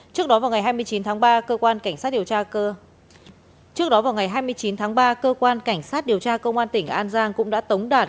trước đó vào ngày hai mươi chín tháng ba cơ quan cảnh sát điều tra cơ quan tỉnh an giang cũng đã tống đạt